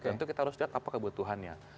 tentu kita harus lihat apa kebutuhannya